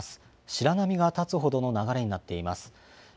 白波が立つほどの流れになっています。